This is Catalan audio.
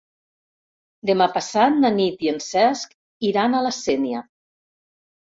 Demà passat na Nit i en Cesc iran a la Sénia.